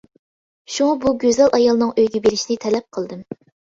شۇڭا بۇ گۈزەل ئايالنىڭ ئۆيىگە بېرىشنى تەلەپ قىلدىم.